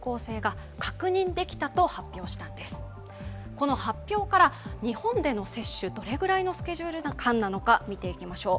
この発表から日本での接種、どれくらいなのか見ていきましょう。